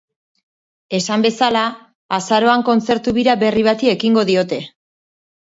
Esan bezala, azaroan kontzertu bira berri bati ekingo diote.